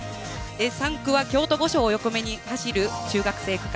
３区は京都御所を横目に走る中学生区間。